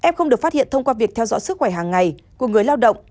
f không được phát hiện thông qua việc theo dõi sức khỏe hàng ngày của người lao động